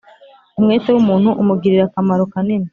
umwete w’umuntu umugirira akamaro kanini